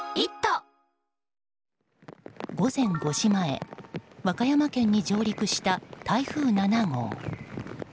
午前５時前和歌山県に上陸した台風７号。